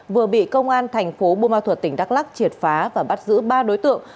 vừa bị công an thành phố bô ma thuật tỉnh đắk lắc triệt phá và bắt giữ ba đối tượng